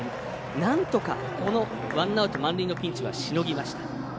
なんとか、このワンアウト満塁のピンチはしのぎました。